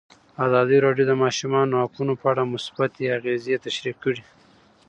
ازادي راډیو د د ماشومانو حقونه په اړه مثبت اغېزې تشریح کړي.